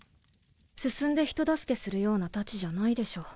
進んで人助けするようなタチじゃないでしょ。